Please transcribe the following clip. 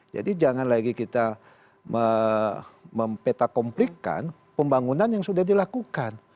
jadi jangan lagi kita mempetakomplikan pembangunan yang sudah dilakukan